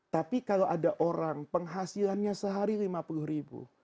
tapi kalau ada orang penghasilannya sehari lima puluh ribu